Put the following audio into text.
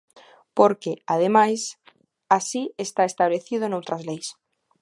Porque, ademais, así está establecido noutras leis.